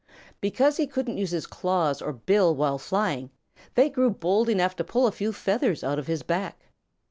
Because he couldn't use his claws or bill while flying, they grew bold enough to pull a few feathers out of his back.